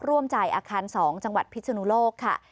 ร่วมจ่ายอาคาร๒จังหวัดพิศนุโลกค่ะ